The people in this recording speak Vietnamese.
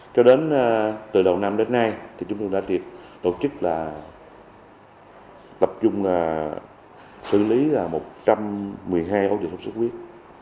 cho đến từ đầu năm đến nay thì chúng tôi đã tổ chức là tập trung xử lý là một trăm một mươi hai ổ dịch sốt xuất huyết